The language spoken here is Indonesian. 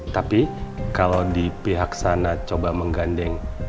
tapi kalau di pihak sana coba menggandeng